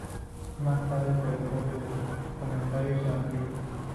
Más tarde, el territorio del cementerio se amplió.